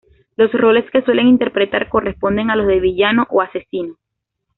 Los roles que suele interpretar corresponden a los de villano o asesino.